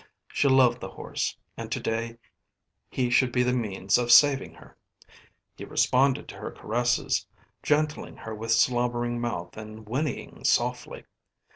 She loved the horse and to day he should be the means of saving her. He responded to her caresses, gentling her with slobbering mouth and whinnying softly.